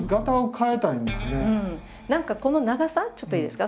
何かこの長さちょっといいですか？